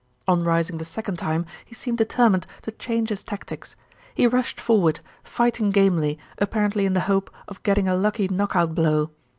On rising the second time he seemed determined to change his tactics. He rushed forward, fighting gamely, apparently in the hope of getting a lucky knock out blow.